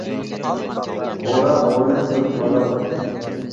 غورا غورىنى كۆرۈپ ئالا بوپتۇ.